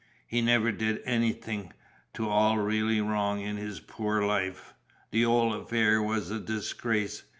"He never did anythink to all really wrong in his poor life. The 'ole affair was a disgrace.